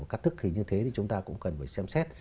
các thức hình như thế thì chúng ta cũng cần phải xem xét